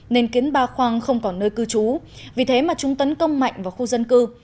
nên kiến ba khoang không còn nơi cư trú vì thế mà chúng tấn công mạnh vào khu dân cư